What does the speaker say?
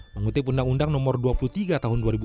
mengutip undang undang nomor dua puluh tiga tahun dua ribu empat